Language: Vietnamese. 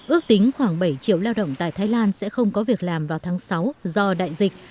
ước tính khoảng bảy triệu lao động tại thái lan sẽ không có việc làm vào tháng sáu do đại dịch